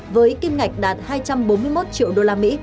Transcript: với kim ngạch đạt hai trăm bốn mươi một triệu đô la mỹ